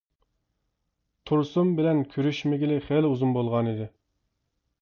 تۇرسۇن بىلەن كۆرۈشمىگىلى خېلى ئۇزۇن بولغانىدى.